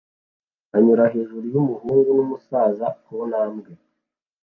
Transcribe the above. anyura hejuru yumuhungu numusaza kuntambwe